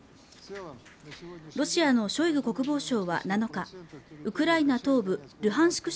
ロシアのショイグ国防相は７日ウクライナ東部ルハンシク